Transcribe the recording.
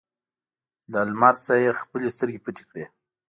له لمر نه یې خپلې سترګې پټې کړې.